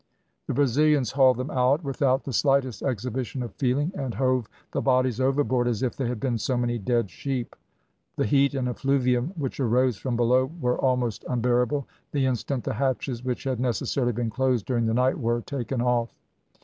The Brazilians hauled them out, without the slightest exhibition of feeling, and hove the bodies overboard as if they had been so many dead sheep. The heat and effluvium which arose from below were almost unbearable, the instant the hatches, which had necessarily been closed during the night, were taken off.